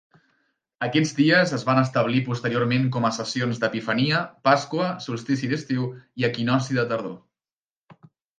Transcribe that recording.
Aquests dies es van establir posteriorment com a sessions d'Epifania, Pasqua, solstici d'estiu i equinocci de tardor.